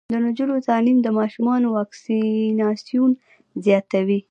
د نجونو تعلیم د ماشومانو واکسیناسیون زیاتوي.